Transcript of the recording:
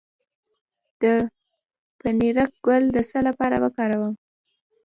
د پنیرک ګل د څه لپاره وکاروم؟